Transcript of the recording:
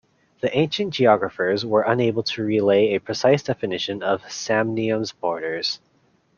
The ancient geographers were unable to relay a precise definition of Samnium's borders.